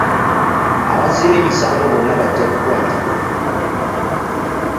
Abazzi b'emisango bonna bajja kukwatibwa.